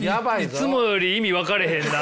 いつもより意味分からへんな。